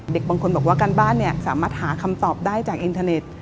บางคนบอกว่าการบ้านเนี่ยสามารถหาคำตอบได้จากอินเทอร์เน็ต